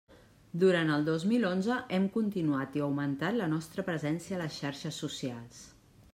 Durant el dos mil onze hem continuat i augmentat la nostra presència a les xarxes socials.